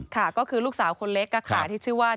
ค่ะก็คือลูกสาวคนเล็กที่ชื่อว่า